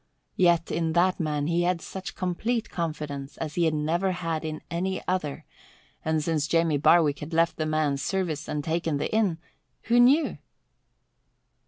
Yet in that man he had such complete confidence as he had never had in any other, and since Jamie Barwick had left the man's service and taken the inn who knew?